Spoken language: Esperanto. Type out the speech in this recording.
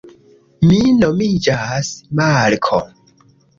Mi nomiĝas Marko